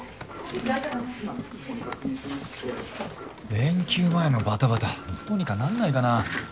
連休前のバタバタどうにかなんないかな？